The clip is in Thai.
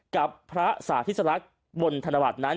กับพระสาทิสระบนธนวัตรนั้น